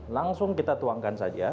langsung kita tuangkan saja